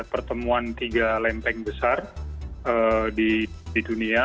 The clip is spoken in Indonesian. pertemuan tiga lempeng besar di dunia